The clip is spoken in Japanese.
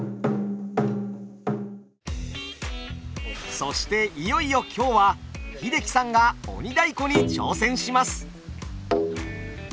そしていよいよ今日は英樹さんが鬼太鼓に挑戦します。